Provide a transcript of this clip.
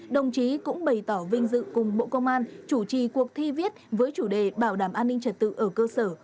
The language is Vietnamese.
đồng chí cũng bày tỏ vinh dự cùng bộ công an chủ trì cuộc thi viết với chủ đề bảo đảm an ninh trật tự ở cơ sở